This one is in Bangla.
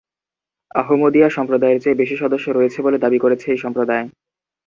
আহমদিয়া সম্প্রদায়ের চেয়ে বেশি সদস্য রয়েছে বলে দাবি করেছে এই সম্প্রদায়।